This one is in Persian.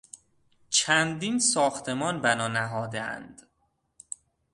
چندین ساختمان بنا نهادهاند.